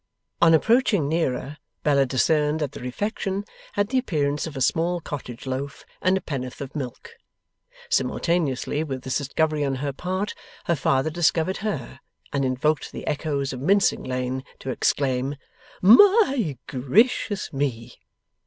On approaching nearer, Bella discerned that the refection had the appearance of a small cottage loaf and a pennyworth of milk. Simultaneously with this discovery on her part, her father discovered her, and invoked the echoes of Mincing Lane to exclaim 'My gracious me!